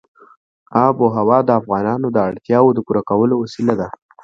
آب وهوا د افغانانو د اړتیاوو د پوره کولو وسیله ده.